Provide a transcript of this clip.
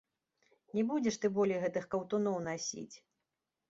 Не будзеш ты болей гэтых каўтуноў насіць!